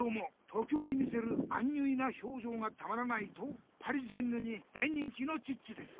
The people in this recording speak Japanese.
時おり見せるアンニュイな表情がたまらないとパリジェンヌに大人気のチッチです。